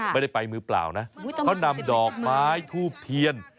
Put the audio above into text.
ไม่ได้ไปมือเปล่านะเขานำดอกไม้ทูบเทียน